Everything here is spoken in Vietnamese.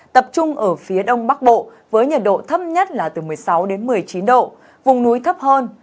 tập trung ở phía đông bắc bộ với nhiệt độ thấp nhất là từ một mươi sáu đến một mươi chín độ vùng núi thấp hơn